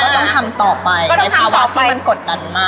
ต้องทำต่อไปในภาวะที่มันกดดันมาก